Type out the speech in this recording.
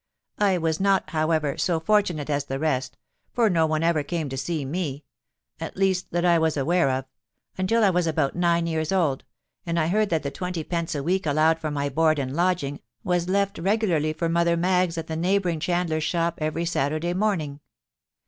I was not, however, so fortunate as the rest; for no one ever came to see me—at least that I was aware of—until I was about nine years old; and I heard that the twenty pence a week allowed for my board and lodging, was left regularly for Mother Maggs at the neighbouring chandler's shop every Saturday morning.